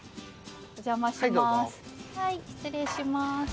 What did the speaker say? はい失礼します。